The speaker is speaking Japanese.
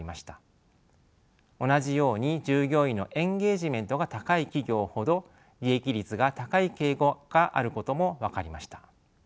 同じように従業員のエンゲージメントが高い企業ほど利益率が高い傾向があることも分かりました。